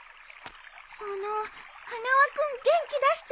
その花輪君元気出してね。